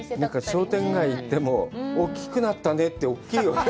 商店街に行っても、“大きくなったね”って、大きいよね。